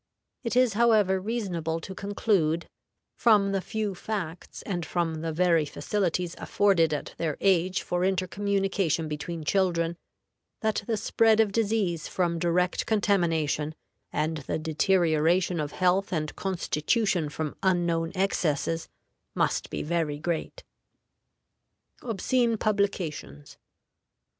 It is, however, reasonable to conclude, from the few facts, and from the very facilities afforded at their age for intercommunication between children, that the spread of disease from direct contamination, and the deterioration of health and constitution from unknown excesses, must be very great. OBSCENE PUBLICATIONS.